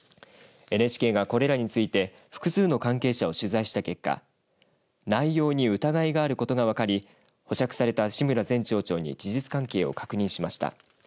ＮＨＫが、これらについて複数の関係者を取材した結果内容に疑いがあることが分かり保釈された志村前町長に事実関係を確認しました。